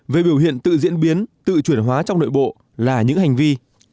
một mươi về biểu hiện tự diễn biến tự chuyển hóa trong nội bộ là những hành vi